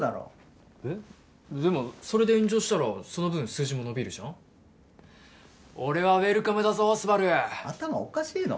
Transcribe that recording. えっでもそれで炎上したらその分数字も伸びるじゃん俺はウエルカムだぞスバル頭おかしいの？